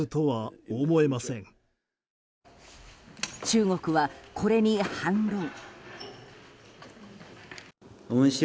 中国はこれに反論。